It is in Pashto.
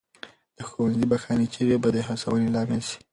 د ښوونځي بخښنې چیغې به د هڅونې لامل سي.